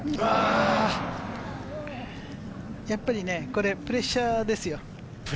やっぱりこれプレッシャーですよ。